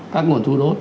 các nguồn thu đốt